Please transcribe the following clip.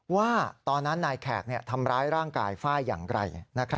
ว่าตอนนั้นนายแขกทำร้ายร่างกายฝ้ายอย่างไร